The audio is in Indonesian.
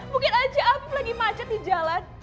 mungkin aja album lagi macet di jalan